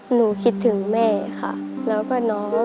หนูคิดถึงแม่ค่ะแล้วก็น้อง